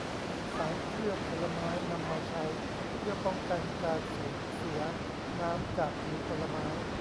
สารเคลือบผลไม้นำมาใช้เพื่อป้องกันการสูญเสียน้ำจากผิวผลไม้